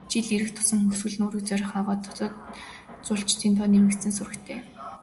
Жил ирэх тусам Хөвсгөл нуурыг зорих гадаад, дотоод жуулчдын тоо нэмэгдсэн сурагтай.